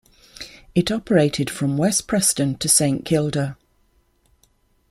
It operated from West Preston to Saint Kilda.